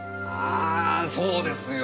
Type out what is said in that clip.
ああそうですよ！